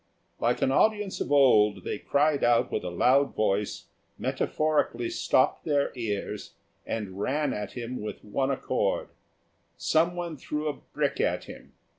Like an audience of old, they cried out with a loud voice, metaphorically stopped their ears, and ran at him with one accord. Someone threw a brick at him.